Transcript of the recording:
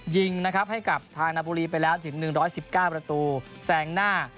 ยิงนะครับให้กับทางนบุรีไปแล้วถึง๑๑๙ประตูแซงหน้า